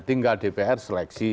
tinggal dpr seleksi